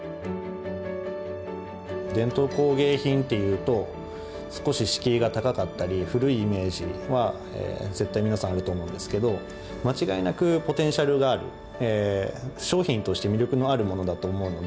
伝統工芸品っていうと少し敷居が高かったり古いイメージは絶対皆さんあると思うんですけど間違いなくポテンシャルがある商品として魅力のあるものだと思うので。